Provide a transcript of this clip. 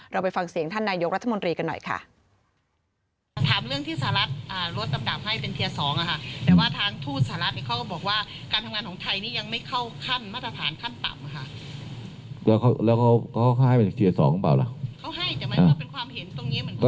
ไปฟังเสียงท่านนายกรัฐมนตรีกันหน่อยค่ะ